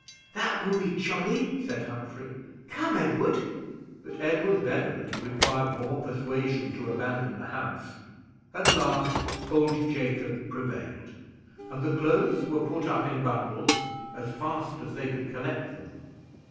"That will be jolly!" said Humphrey; "come, Edward." But Edward Beverley required more persuasion to abandon the house; at last, old Jacob prevailed, and the clothes were put up in bundles as fast as they could collect them.